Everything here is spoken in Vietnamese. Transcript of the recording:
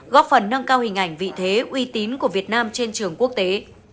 góp phần nâng cao hình ảnh vị thế uy tín của việt nam trên trường quốc tế